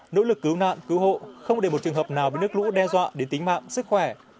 nỗ lực cứu nạn cứu hộ không để một trường hợp nào bị nước lũ đe dọa đến tính mạng sức khỏe